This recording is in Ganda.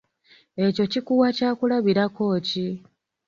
Ekyo kikuwa kyakulabirako ki?